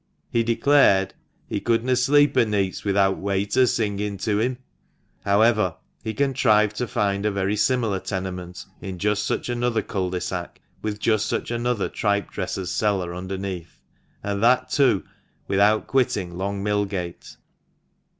He declared he "could na sleep o' neets without wayter singin' to him." However, he contrived to find a very similar tenement, in just such another cul de sac, with just such another tripe dresser's cellar underneath, and that, too, without quitting Long Millgate.